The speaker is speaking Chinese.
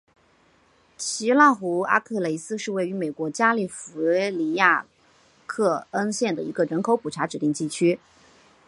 奇纳湖阿克雷斯是位于美国加利福尼亚州克恩县的一个人口普查指定地区。